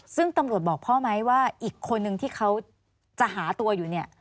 ซึ่งตำรวจบอกพ่อไหมว่าอีกคนนึงที่เขาจะหาตัวอยู่เนี่ย